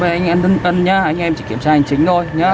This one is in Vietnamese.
mời anh em vô cơ đi mạng nhé anh em chỉ kiểm tra hành chính thôi nhé